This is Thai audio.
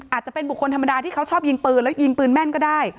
อาจจะเป็นบุคคลธรรมดาที่เขาชอบยิงปืนแล้วยิงปืนแม่นก็ได้